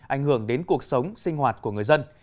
ảnh hưởng đến cuộc sống sinh hoạt của người dân